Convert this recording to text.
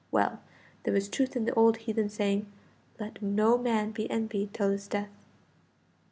. Well, there was truth in the old heathen saying, "Let no man be envied till his death."